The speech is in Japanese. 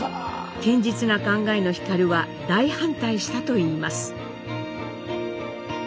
堅実な考えの皓は大反対したといいます。